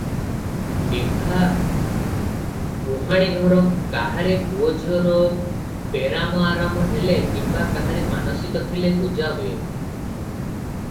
ବିଭା, ପୁହାଣିଘର କାହାରି ପୁଅଝିଅର ବେରାମ ଆରାମ ହେଲେ କିମ୍ବା କାହାରି ମାନସିକ ଥିଲେ ପୂଜା ହୁଏ ।